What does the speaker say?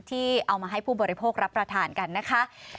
ที่เอามาให้ผู้บริโภครับประทานกันนะคะ